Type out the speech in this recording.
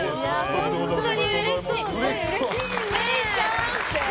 本当にうれしい！